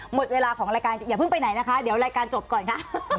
หมดเวลาของรายการอย่าเพิ่งไปไหนนะคะเดี๋ยวรายการจบก่อนค่ะ